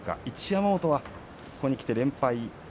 山本はここにきて連敗。